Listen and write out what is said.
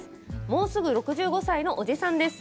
もうすぐ６５歳のおじさんです。